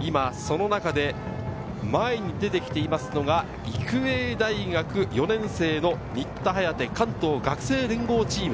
今、その中で前に出てきていますのが、育英大学４年生の新田颯、関東学生連合チーム。